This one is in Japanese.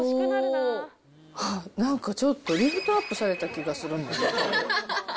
なんかちょっとリフトアップされた気がするんだけど。